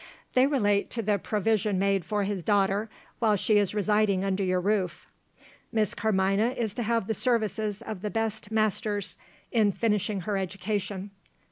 They relate to the provision made for his daughter, while she is residing under your roof. Miss Carmina is to have the services of the best masters, in finishing her education."